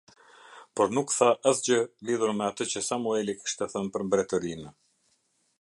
Por nuk tha asgjë lidhur me atë që Samueli kishte thënë për mbretërinë.